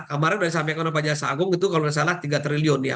kemarin sudah disampaikan oleh pak jaksa agung itu kalau tidak salah tiga triliun ya